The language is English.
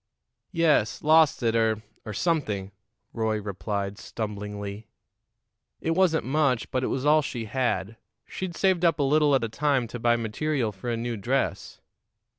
"Yes; lost it, or or something," Roy replied stumblingly. "It wasn't much, but it was all she had. She'd saved up a little at a time to buy material for a new dress."